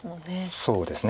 そうですね。